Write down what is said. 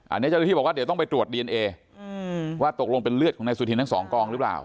อันนี้เจ้าหน้าที่บอกว่าเดี๋ยวต้องไปตรวจดีเอนเอว่าตกลงเป็นเลือดของนายสุธินทั้งสองกองหรือเปล่า